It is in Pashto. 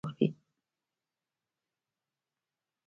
سترې دولتي کمپنۍ حق لري په فعالیتونو کې برخه واخلي.